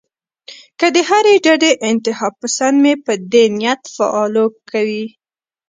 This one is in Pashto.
کۀ د هرې ډډې انتها پسند مې پۀ دې نيت فالو کوي